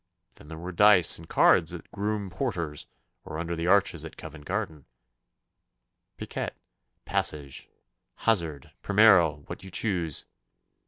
Then there were dice and cards at the Groom Porter's or under the arches at Covent Garden, piquet, passage, hazard, primero what you choose.